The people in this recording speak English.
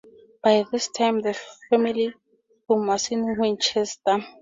By this time the family home was in Winchester.